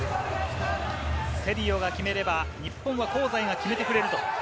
セリオが決めれば日本は香西が決めてくれると。